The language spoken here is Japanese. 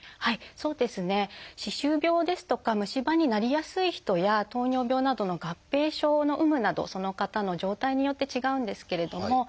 そうですね歯周病ですとか虫歯になりやすい人や糖尿病などの合併症の有無などその方の状態によって違うんですけれども。